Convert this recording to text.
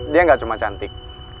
dia gak cuma cantik